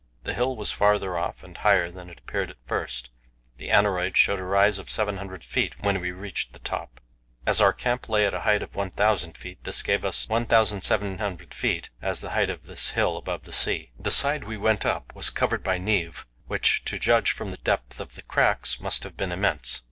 The hill was farther off and higher than it appeared at first; the aneroid showed a rise of 700 feet when we reached the top. As our camp lay at a height of 1,000 feet, this gave us 1,700 feet as the height of this hill above the sea. The side we went up was covered by névé, which, to judge from the depth of the cracks, must have been immense.